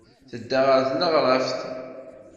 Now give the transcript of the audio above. Tedda ɣer tneɣraft.